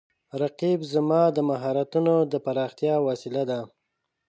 رقیب زما د مهارتونو د پراختیا وسیله ده